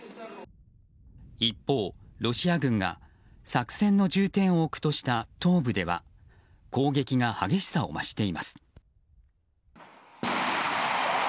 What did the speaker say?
一方、ロシア軍が作戦の重点を置くとした東部では攻撃が激しさを増しています。